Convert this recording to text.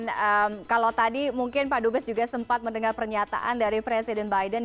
dan kalau tadi mungkin pak dubes juga sempat mendengar pernyataan dari presiden biden